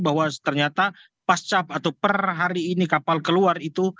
bahwa ternyata pas cap atau per hari ini kapal keluar itu